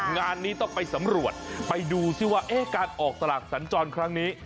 งานนี้ต้องไปสำรวจไปดูซิว่าการออกสลากสัญจรครั้งนี้